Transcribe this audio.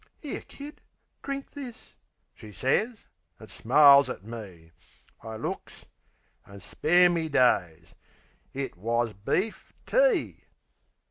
"'Ere, Kid, drink this," she sez, an' smiles at me. I looks an' spare me days! It WAS BEEF TEA!